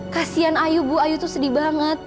kasian ayu bu ayu itu sedih banget